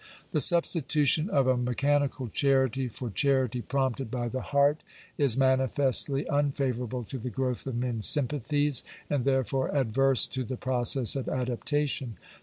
The substitution of a me chanical charity for charity prompted by the heart is manifestly unfavourable to the growth of men's sympathies, and therefore adverse to the process of adaptation.